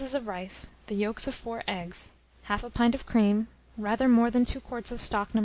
of rice, the yolks of 4 eggs, 1/2 a pint of cream, rather more than 2 quarts of stock No.